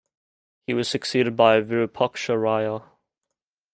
He was succeeded by Virupaksha Raya.